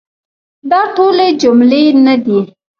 دا ټولي جملې نه دي .